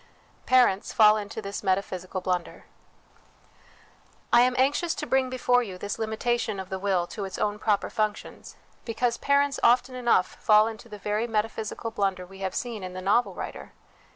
Parents fall into this Metaphysical Blunder. I am anxious to bring before you this limitation of the will to its own proper functions, because parents often enough fall into the very metaphysical blunder we have seen in the novel writer.